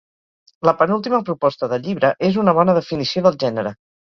La penúltima proposta del llibre és una bona definició del gènere.